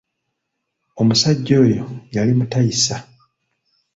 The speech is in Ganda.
Omusajja oyo yali mutayisa.